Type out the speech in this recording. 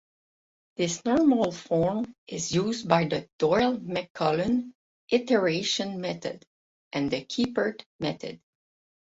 This normal form is used by the Doyle-McMullen iteration method and the Kiepert method.